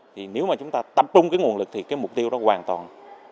thì nếu mà chúng ta tập trung cái nguồn lực thì cái mục tiêu đó hoàn toàn